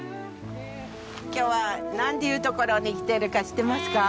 今日はなんていう所に来ているか知っていますか？